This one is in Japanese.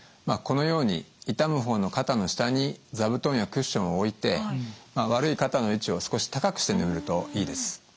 このように痛む方の肩の下に座布団やクッションを置いて悪い肩の位置を少し高くして眠るといいです。